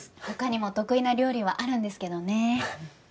他にも得意な料理はあるんですけどね。